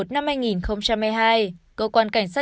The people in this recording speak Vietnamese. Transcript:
năm hai nghìn hai mươi hai cơ quan cảnh sát